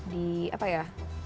di apa ya